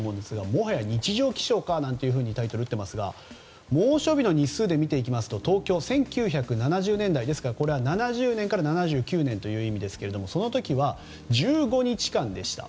もはや日常気象か？というタイトルを打っていますが猛暑日の日数で見ていきますと東京、１９７０年代これは７０年から７９年という意味ですけれどもその時は１５日間でした。